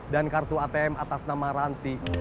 dan kartu atm atas nama ranti